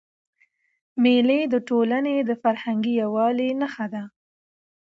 مېلې د ټولني د فرهنګي یووالي نخښه ده.